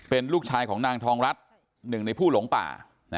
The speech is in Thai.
เป็นลูกชายของนางทองรัฐหนึ่งในผู้หลงป่า